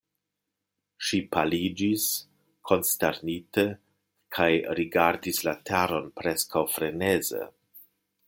Ŝi paliĝis, konsternite, kaj rigardis la teron preskaŭ freneze.